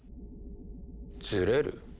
ずれる？